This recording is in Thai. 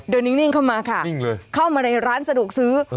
เดินนิ่งเข้ามาค่ะเข้ามาในร้านสะดวกซื้อ